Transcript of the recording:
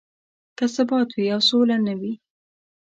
که ثبات وي او سوله نه وي.